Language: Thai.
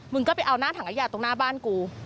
ก็ไปเอาหน้าถังขยะตรงหน้าบ้านกู